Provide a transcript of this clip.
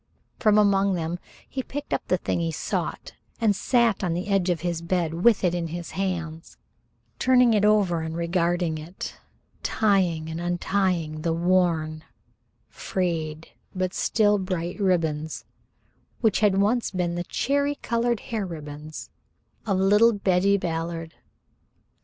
From among them he picked up the thing he sought and sat on the edge of his bed with it in his hands, turning it over and regarding it, tieing and untieing the worn, frayed, but still bright ribbons, which had once been the cherry colored hair ribbons of little Betty Ballard.